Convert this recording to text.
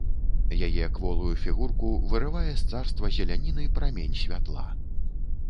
Яе кволую фігурку вырывае з царства зеляніны прамень святла.